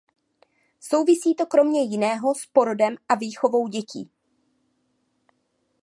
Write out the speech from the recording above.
Souvisí to kromě jiného s porodem a výchovou dětí.